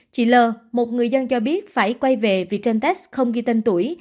chị l một người dân cho biết phải quay về vì trên test không ghi tên tuổi